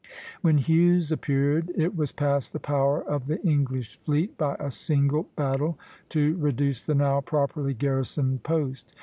When Hughes appeared, it was past the power of the English fleet by a single battle to reduce the now properly garrisoned post.